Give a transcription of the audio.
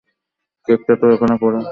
কেকটা তো ওখানে পড়ে ছিল।